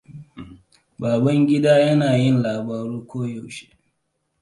Babangida yana yin labaru ko yaushe.